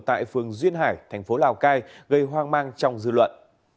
tại phường duyên hải thành phố lào cai gây hoang mang trong dư luận